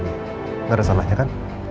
nggak ada salahnya kan